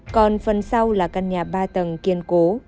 còn phần sau là căn nhà ba tầng kiên cố